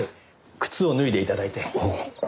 靴を脱いでいただいて。